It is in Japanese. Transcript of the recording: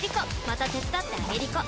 また手伝ってあげりこ！